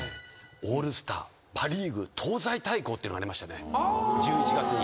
パ・リーグ東西対抗っていうのがありましてね１１月に。